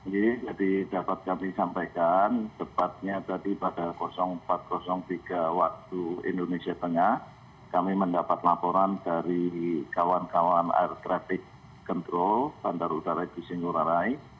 jadi dapat kami sampaikan tepatnya tadi pada empat tiga waktu indonesia tengah kami mendapat laporan dari kawan kawan air traffic control bandara utara igusti ngurah rai